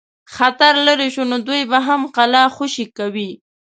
خطر لیري شو نو دوی به هم قلا خوشي کوي.